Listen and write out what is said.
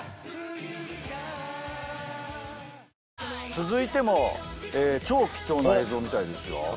続いても超貴重な映像みたいですよ。